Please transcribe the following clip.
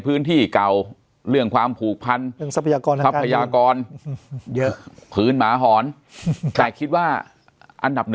พื้นที่เก่าเรื่องความผูกพันเรื่องทรัพยากรเยอะพื้นหมาหอนแต่คิดว่าอันดับ๑